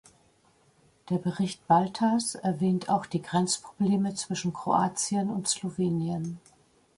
Der Bericht Baltas erwähnt auch die Grenzprobleme zwischen Kroatien und Slowenien.